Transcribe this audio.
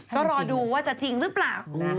ก็รอดูว่าจะจริงหรือเปล่า